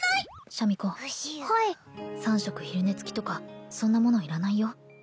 シャミ子はい三食昼寝付きとかそんなもの要らないよ